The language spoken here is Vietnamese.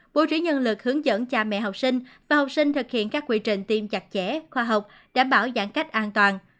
bố trí nhân lực hướng dẫn cha mẹ học sinh và học sinh thực hiện các quy trình tiêm chặt chẽ khoa học đảm bảo giãn cách an toàn